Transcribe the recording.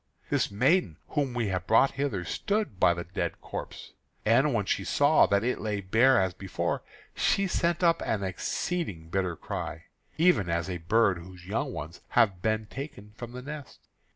this maiden whom we have brought hither stood by the dead corpse. And when she saw that it lay bare as before, she sent up an exceeding bitter cry, even as a bird whose young ones have been taken from the nest.